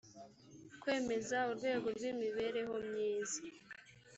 kwemeza urwego rw imibereho myiza